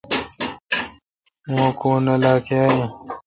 موکونلئہ کاں این